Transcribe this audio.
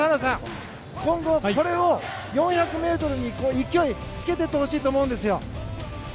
今後、これを４００ｍに勢いをつけていってほしいんですよ。